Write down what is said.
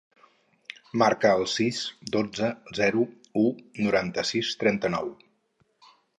Marca el sis, dotze, zero, u, noranta-sis, trenta-nou.